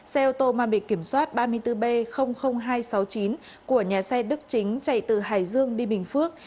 xe ô tô mang bị kiểm soát ba mươi bốn b hai trăm sáu mươi chín của nhà xe đức chính chạy từ hải dương đi bình phước